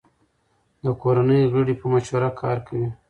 د کورنۍ غړي په مشوره کار کوي.